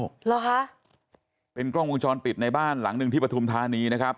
เหรอคะเป็นกล้องวงจรปิดในบ้านหลังหนึ่งที่ปฐุมธานีนะครับ